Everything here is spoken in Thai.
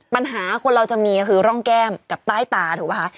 ปัญหาคนเราจะมีคือร่องแก้มกับใต้ตาถูกป่ะคะ